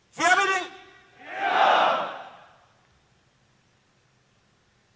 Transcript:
siap ini siap